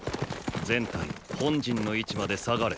全隊本陣の位置まで退がれ。